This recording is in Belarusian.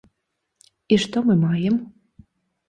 І што мы маем?